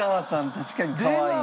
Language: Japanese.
確かにかわいい。